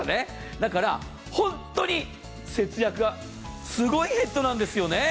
だから、本当に節約がすごいヘッドなんですよね。